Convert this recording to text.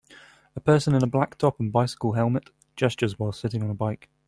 A person in a black top and bicycle helmet gestures while sitting on a bike.